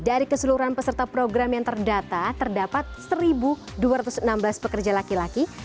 dari keseluruhan peserta program yang terdata terdapat satu dua ratus enam belas pekerja laki laki